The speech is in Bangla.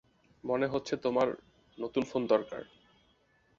মনে হচ্ছে তোমার নতুন ফোন দরকার।